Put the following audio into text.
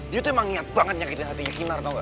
dia tuh emang niat banget artinya kinar tau gak